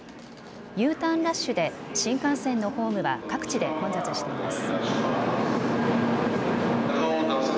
Ｕターンラッシュで新幹線のホームは各地で混雑しています。